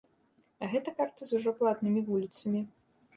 А гэта карта з ужо платнымі вуліцамі.